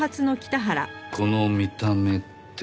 この見た目って。